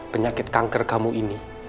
penyakit kanker kamu ini